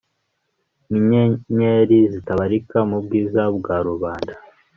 Ninyenyeri zitabarika mubwiza bwarubanda